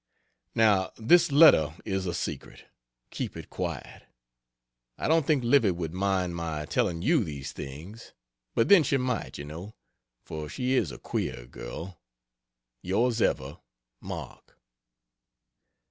Now this letter is a secret keep it quiet I don't think Livy would mind my telling you these things, but then she might, you know, for she is a queer girl. Yrs ever, MARK.